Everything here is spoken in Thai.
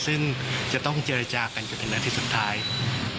ซึ่งจะต้องเจรจากันอีกซักถ่อง